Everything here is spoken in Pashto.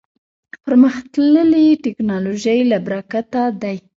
پرمختللې ټکنالوژۍ له برکته دی.